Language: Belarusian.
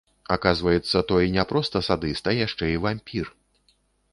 Аказваецца, той не проста садыст, а яшчэ і вампір.